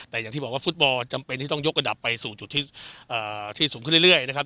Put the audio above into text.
แต่อย่างที่บอกว่าฟุตบอลจำเป็นที่ต้องยกระดับไปสู่จุดที่สูงขึ้นเรื่อยนะครับ